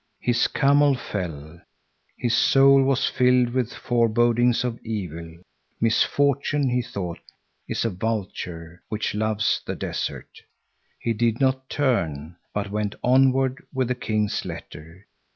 His camel fell. His soul was filled with forebodings of evil. Misfortune, he thought, is a vulture, which loves the desert. He did not turn, but went onward with the king's letter.